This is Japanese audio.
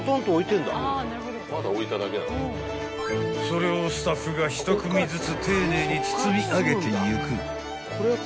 ［それをスタッフが１組ずつ丁寧に包み上げていく］